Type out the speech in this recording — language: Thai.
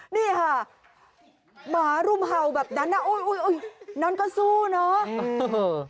นี่ค่ะหมารุ่มเห่าแบบนั้นอ่ะอุ้ยนั้นก็สู้เนอะอืม